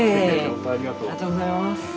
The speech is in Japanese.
ありがとうございます。